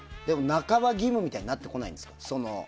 半ば義務みたいになってこないんですか？